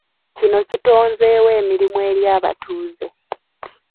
Kino kitonzeewo emirimu eri abatuuze.